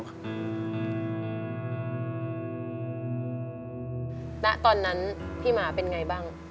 ณตอนนั้นพี่หมาเป็นไงบ้าง